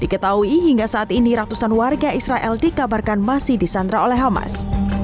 di ketahui hingga saat ini ratusan warga israel dikabarkan masih di sandra oleh hamas